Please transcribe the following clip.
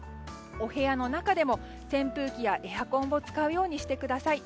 お部屋の中でも扇風機やエアコンを使うようにしてください。